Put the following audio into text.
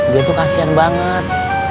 dia tuh kasihan banget